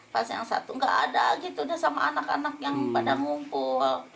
pas yang satu nggak ada gitu deh sama anak anak yang pada ngumpul